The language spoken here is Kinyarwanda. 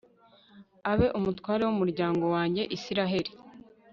abe umutware w'umuryango wanjye israheli